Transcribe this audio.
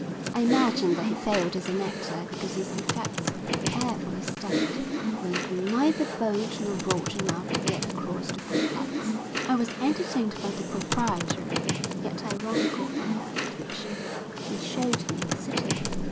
I imagine that he failed as an actor because his effects, carefully studied, were neither bold nor broad enough to get across the footlights. I was entertained by the proprietary, yet ironical air with which he showed me the city.